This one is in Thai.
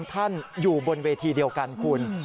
ท่านอยู่บนเวทีเดียวกันคุณ